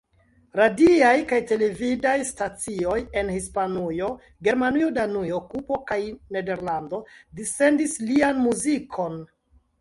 Radiaj kaj televidaj stacioj en Hispanujo, Germanujo, Danujo, Kubo kaj Nederlando dissendis lian muzikon.